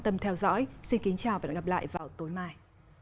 tâm theo dõi xin kính chào và hẹn gặp lại vào tối mai